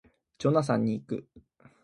ジョナサンに行く